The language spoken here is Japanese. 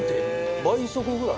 「倍速ぐらい？